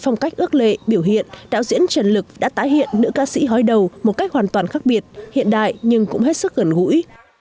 cách ước lệ biểu hiện đạo diễn trần lực đã tái hiện nữ ca sĩ hói đầu một cách hoàn toàn khác biệt hiện đại nhưng cũng hết sức gần gũi